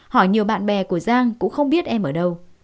hỏi nhiều bạn bè của giang cũng không biết em ở đâu